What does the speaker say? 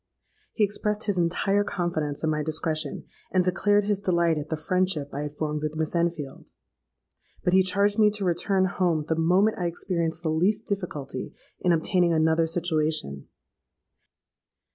He expressed his entire confidence in my discretion, and declared his delight at the friendship I had formed with Miss Enfield. But he charged me to return home the moment I experienced the least difficulty in obtaining another situation.